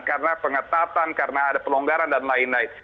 karena pengetatan karena ada pelonggaran dan lain lain